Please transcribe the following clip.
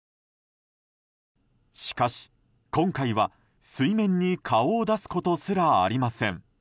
しかし今回は水面に顔を出すことすらありません。